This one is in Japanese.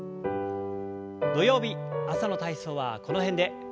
土曜日朝の体操はこの辺で。